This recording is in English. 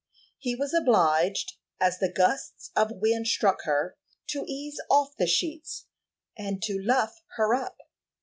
He was obliged, as the gusts of wind struck her, to ease off the sheets, and to luff her up.